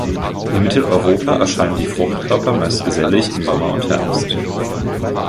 In Mitteleuropa erscheinen die Fruchtkörper meist gesellig im Sommer und Herbst.